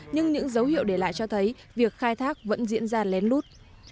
nhưng những dấu hiệu để lại cho thấy việc khai thác vẫn diễn ra lén lút